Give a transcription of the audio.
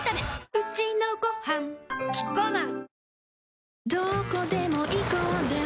うちのごはんキッコーマン